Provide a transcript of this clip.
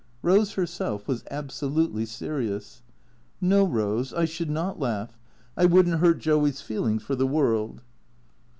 Eose herself was absolutely serious. " No, Eose, I should not laugh. I would n't hurt Joey's feel ings for the world."